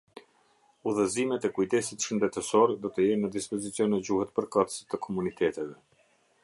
Udhëzimet e kujdesit shëndetësor do të jenë në dispozicion në gjuhët përkatëse të komuniteteve.